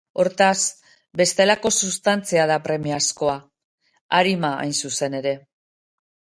Hortaz, bestelako substantzia da premiazkoa, arima, hain zuzen ere.